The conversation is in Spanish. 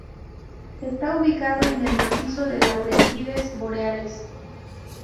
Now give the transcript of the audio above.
Está ubicado en el macizo de Laurentides boreales.